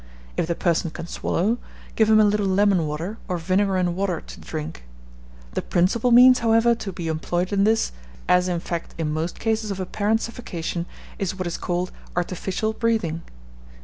If the person can swallow, give him a little lemon water, or vinegar and water to drink. The principal means, however, to be employed in this, as, in fact, in most cases of apparent suffocation, is what is called artificial breathing.